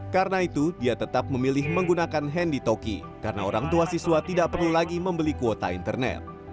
karena itu dia tetap memilih menggunakan handi toki karena orang tua siswa tidak perlu lagi membeli kuota internet